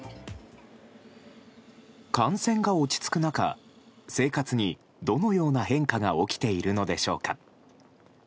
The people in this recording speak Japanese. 感染が落ち着く中生活にどのような変化が起きているのでしょうか。